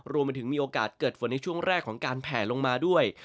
รวมไปถึงมีโอกาสเกิดฝนในช่วงแรกของการแผลลงมาด้วย